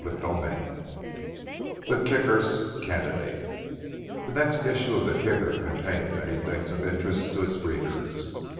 CHAPTER XX THE "KICKER'S" CANDIDATE The next issue of the Kicker contained many things of interest to its readers.